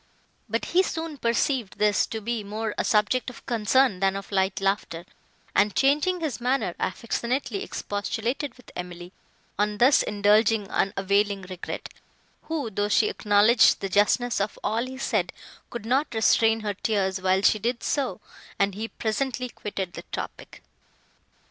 But he soon perceived this to be more a subject of concern than of light laughter, and, changing his manner, affectionately expostulated with Emily, on thus indulging unavailing regret; who, though she acknowledged the justness of all he said, could not restrain her tears, while she did so, and he presently quitted the topic.